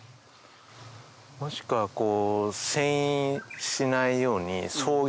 もしくはこう。